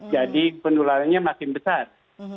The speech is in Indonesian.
jadi penularannya makin besar